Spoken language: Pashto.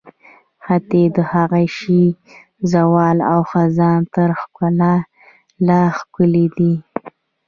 حتی د هغه شي زوال او خزان تر ښکلا لا ښکلی دی.